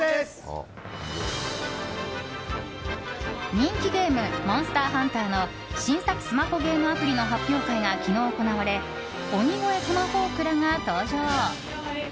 人気ゲーム「モンスターハンター」の新作スマホゲームアプリの発表会が昨日、行われ鬼越トマホークらが登場。